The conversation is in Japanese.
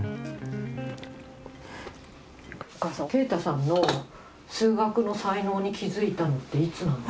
お母さん、圭太さんの数学の才能に気付いたのっていつなんですか？